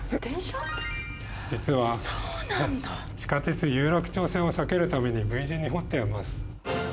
実は地下鉄有楽町線を避けるために、Ｖ字に掘っています。